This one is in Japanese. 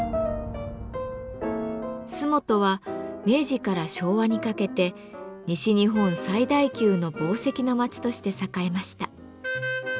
洲本は明治から昭和にかけて西日本最大級の紡績の街として栄えました。